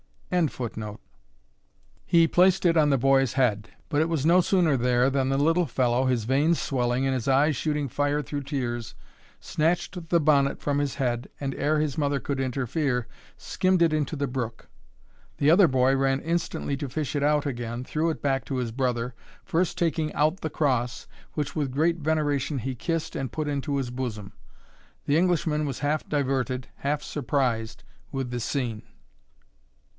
] He placed it on the boy's head; but it was no sooner there, than the little fellow, his veins swelling, and his eyes shooting fire through tears, snatched the bonnet from his head, and, ere his mother could interfere, skimmed it into the brook. The other boy ran instantly to fish it out again, threw it back to his brother, first taking out the cross, which, with great veneration, he kissed and put into his bosom. The Englishman was half diverted, half surprised, with the scene.